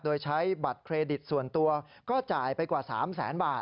โดยใช้บัตรเครดิตส่วนตัวก็จ่ายไปกว่า๓แสนบาท